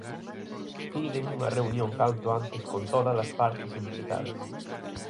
Piden unha reunión canto antes con todas as partes implicadas.